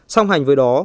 xong hành với đó